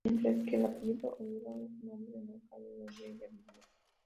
Mientras que el apellido "Oriole" es el nombre de una calle donde ella vivía.